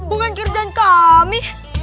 bukan kerjaan kami